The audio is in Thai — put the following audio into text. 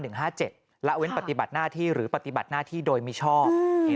และเว้นปฏิบัติหน้าที่หรือปฏิบัติหน้าที่โดยมิชอบ